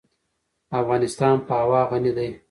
افغانستان په هوا غني دی.